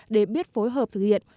để biết phối hợp thực hiện